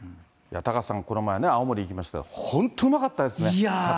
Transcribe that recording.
タカさん、この前ね、青森行きましたが、本当うまかったですね、魚。